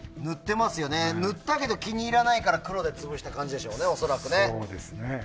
塗ったけど気に入らないから黒で潰した感じでしょうね恐らくね。